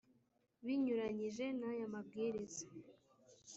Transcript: Binyuranyije n aya mabwiriza